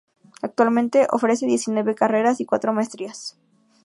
Actualmente ofrece diecinueve carreras, y cuatro maestrías.